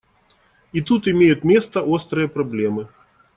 И тут имеют место острые проблемы.